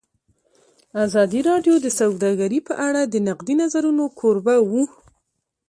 ازادي راډیو د سوداګري په اړه د نقدي نظرونو کوربه وه.